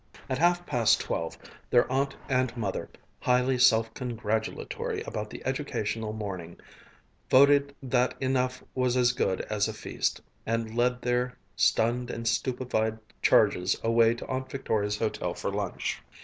At half past twelve, their aunt and mother, highly self congratulatory over the educational morning, voted that enough was as good as a feast, and led their stunned and stupefied charges away to Aunt Victoria's hotel for lunch.